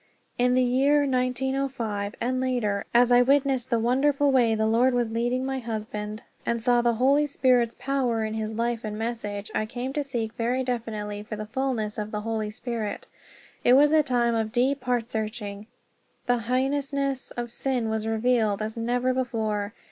In the year 1905, and later, as I witnessed the wonderful way the Lord was leading my husband, and saw the Holy Spirit's power in his life and message, I came to seek very definitely for the fulness of the Holy Spirit. It was a time of deep heart searching. The heinousness of sin was revealed as never before.